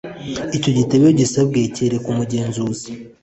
icyo gitabo iyo gisabwe cyerekwa umugenzuzi